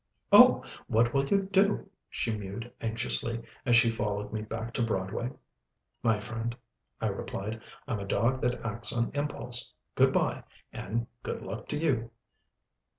"Oh! what will you do?" she mewed anxiously, as she followed me back to Broadway. "How can I tell, my friend," I replied. "I'm a dog that acts on impulse. Good bye, and good luck to you."